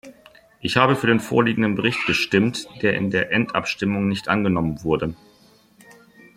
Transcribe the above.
Ich habe für den vorliegenden Bericht gestimmt, der in der Endabstimmung nicht angenommen wurde.